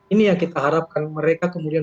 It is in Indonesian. ini yang kita harapkan mereka kemudian